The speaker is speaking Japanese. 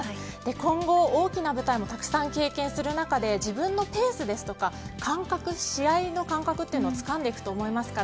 今後、大きな舞台もたくさん経験する中で自分のペースですとか試合の感覚というのをつかんでいくと思いますから